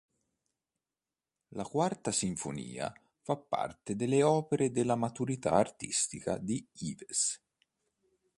La Quarta Sinfonia fa parte delle opere della maturità artistica di Ives.